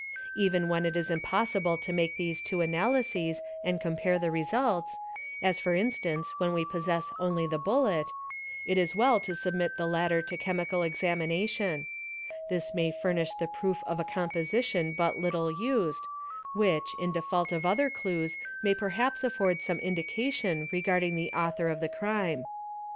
ven when it is — impossible to make these two analyses and compare the results, as fot instance when we possess only the bullet, it 1s well to submit the latte1 to chemical examination; this may furnish the proof of a composition ' but little used, which, in default of other clues may perhaps afford som: indication regarding the author of the crime.